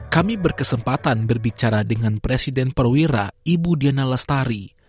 kami berkesempatan berbicara dengan presiden perwira ibu diana lestari